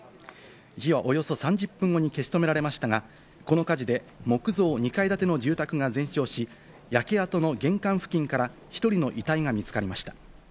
火はおよそ３０分後に消し止められましたが、この火事で木造２階建ての住宅が全焼し、焼け跡の玄関付近から１人の遺体が見つかりました。